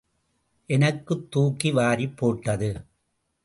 எனக்குத் தூக்கி வாரிப் போட்டது.